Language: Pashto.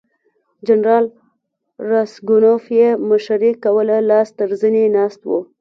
جنرال راسګونوف یې مشري کوله لاس تر زنې ناست وو.